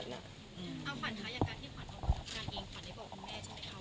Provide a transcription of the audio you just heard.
เอาขวัญคะอย่างการที่ขวัญออกมารับงานเองขวัญได้บอกคุณแม่ใช่ไหมคะ